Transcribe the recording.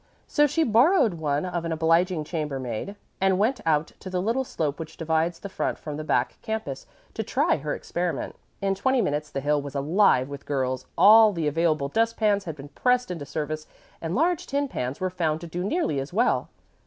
So she borrowed one of an obliging chambermaid and went out to the little slope which divides the front from the back campus to try her experiment. In twenty minutes the hill was alive with girls, all the available dust pans had been pressed into service, and large tin pans were found to do nearly as well.